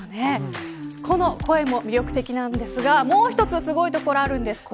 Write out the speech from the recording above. この声も魅力的なんですがもう１つすごいところあるんです。